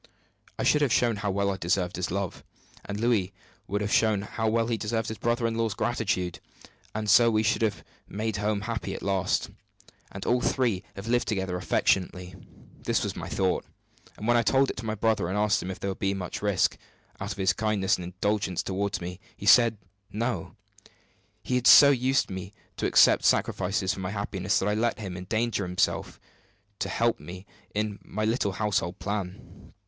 I should have shown how well I deserved his love, and Louis would have shown how well he deserved his brother in law's gratitude; and so we should have made home happy at last, and all three have lived together affectionately. This was my thought; and when I told it to my brother, and asked him if there would be much risk, out of his kindness and indulgence toward me, he said 'No.' He had so used me to accept sacrifices for my happiness that I let him endanger himself to help me in my little household plan.